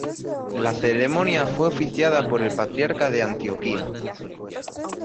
La ceremonia fue oficiada por el patriarca de Antioquía.